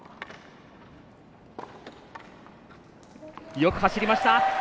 よく走りました。